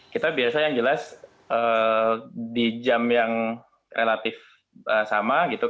kita biasa yang jelas di jam yang relatif sama gitu